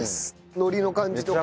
海苔の感じとか。